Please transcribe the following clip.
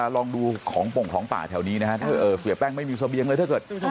ลองดูของปงของป่าแถวนี้นะครับเสียแป้งไม่มีเสบียงเลยถ้าเกิด